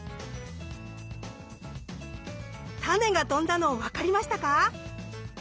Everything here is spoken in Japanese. タネが飛んだの分かりましたか？